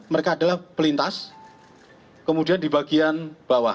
mereka adalah pelintas kemudian di bagian bawah